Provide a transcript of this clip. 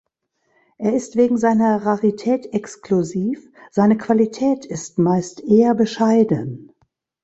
Er ist wegen seiner Rarität exklusiv, seine Qualität ist meist eher bescheiden.